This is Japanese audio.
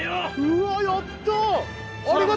うわやった！